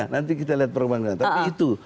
nanti kita lihat perundangan tapi itu